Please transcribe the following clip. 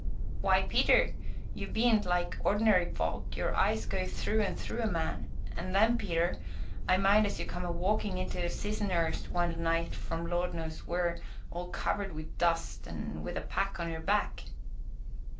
"W'y, Peter, ye bean't like ordinary folk; your eyes goes through an' through a man. An' then, Peter, I mind as you come a walkin' into Siss'n'urst one night from Lord knows wheer, all covered wi' dust, an' wi' a pack on your back."